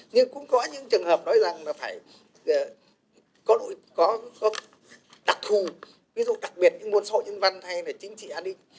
nhưng cũng có những trường hợp nói rằng là phải có đặc thù ví dụ đặc biệt những nguồn sổ nhân văn hay là chính trị an ninh